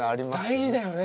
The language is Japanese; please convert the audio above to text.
大事だよね。